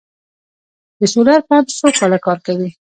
د سولر پمپ څو کاله کار کوي؟